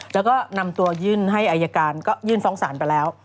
แล้วก็นำตัวยื่นให้อายการก็ยื่นฟ้องศาลไปแล้ว